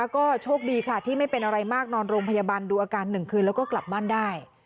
ก็โชคดีค่ะที่ไม่เป็นอะไรมากนอนโรงพยาบาลดูอาการ๑คืนแล้วก็กลับบ้านได้